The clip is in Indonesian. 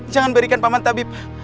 jangan berikan paman tabib